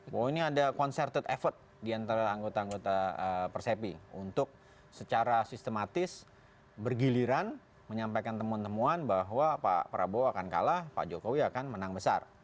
bahwa ini ada concerted effort diantara anggota anggota persepi untuk secara sistematis bergiliran menyampaikan temuan temuan bahwa pak prabowo akan kalah pak jokowi akan menang besar